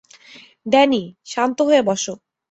Danny, শান্ত হয়ে বস!